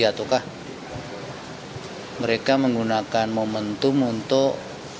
ataukah mereka menggunakan momentum untuk